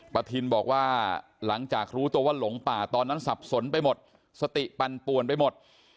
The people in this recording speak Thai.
ทินบอกว่าหลังจากรู้ตัวว่าหลงป่าตอนนั้นสับสนไปหมดสติปั่นป่วนไปหมด